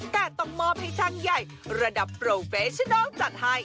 แต่ต้องมอบให้ช่างใหญ่ระดับโปรเฟชนัลจัดให้